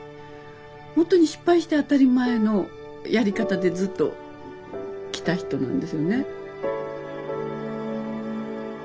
ほんとに失敗して当たり前のやり方でずっときた人なんですよね。